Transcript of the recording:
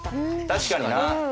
確かにな。